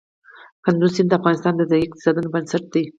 کندز سیند د افغانستان د ځایي اقتصادونو بنسټ دی.